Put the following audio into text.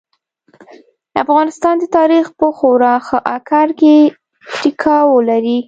افغانستان د تاريخ په خورا ښه اکر کې ټيکاو لري.